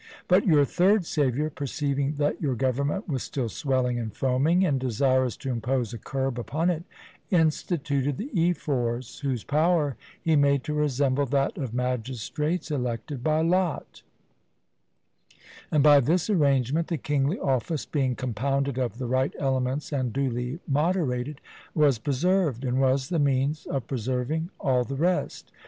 But your third saviour, perceiving that your government was still swelling and foaming, and desirous to impose a curb upon it, instituted the Ephors, whose power he made to resemble that of magistrates elected by lot; and by this arrangement the kingly office, being compounded of the right elements and duly moderated, was preserved, and was the means of preserving all the rest.